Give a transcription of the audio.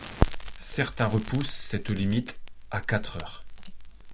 Certains repoussent cette limite à quatre heures.